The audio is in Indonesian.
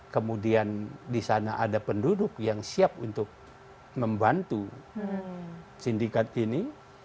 kemudian di sana ada penduduk yang siap untuk membantu sindikat ini